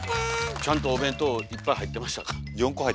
ちゃんとお弁当いっぱい入ってましたか？